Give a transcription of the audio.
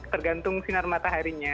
tergantung sinar mataharinya